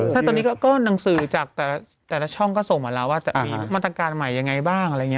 ตอนนี้ก็หนังสือจากแต่ละช่องก็ส่งมาแล้วว่าปัญหามัตรการใหม่ยังไงบ้าง